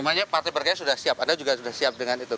namanya partai berkarya sudah siap anda juga sudah siap dengan itu